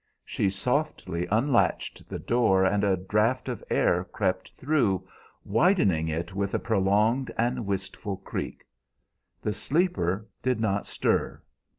She softly unlatched the door, and a draft of air crept through, widening it with a prolonged and wistful creak. The sleeper did not stir.